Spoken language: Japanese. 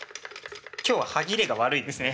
今日は歯切れが悪いですね。